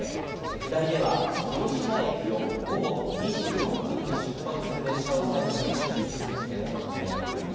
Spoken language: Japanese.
上りでは博多駅を午後１時３９分に出発する列車を最後に終日運転を取り止める予定。